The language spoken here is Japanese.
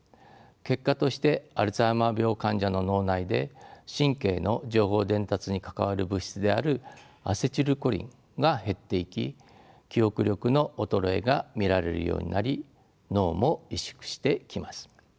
結果としてアルツハイマー病患者の脳内で神経の情報伝達に関わる物質であるアセチルコリンが減っていき記憶力の衰えが見られるようになり脳も萎縮してきます。